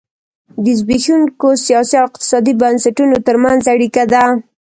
د زبېښونکو سیاسي او اقتصادي بنسټونو ترمنځ اړیکه ده.